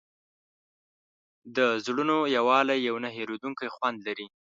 د زړونو یووالی یو نه هېرېدونکی خوند لري.